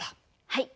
はい。